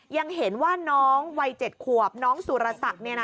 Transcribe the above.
ยังเห็นว่าน้องวัย๗ขวบน้องสุรศักดิ์